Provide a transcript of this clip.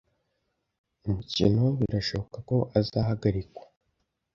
Umukino birashoboka ko uzahagarikwa.